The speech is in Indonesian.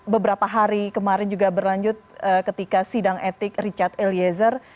beberapa hari kemarin juga berlanjut ketika sidang etik richard eliezer